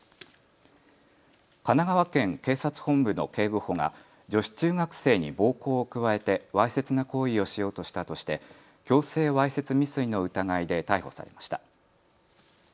神奈川県警察本部の警部補が女子中学生に暴行を加えてわいせつな行為をしようとしたとして強制わいせつ未遂の疑いで逮捕されました。